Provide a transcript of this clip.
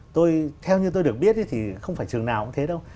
tôi theo như tôi được biết thì không phải trường nào cũng thế đâu